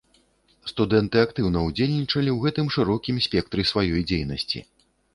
Студэнты актыўна ўдзельнічалі ў гэтым шырокім спектры сваёй дзейнасці.